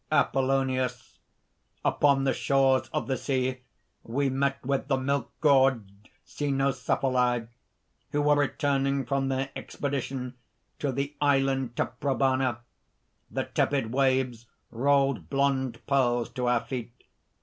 APOLLONIUS. "Upon the shores of the sea we met with the milk gorged Cynocephali, who were returning from their expedition to the Island Taprobana. The tepid waves rolled blond pearls to our feet.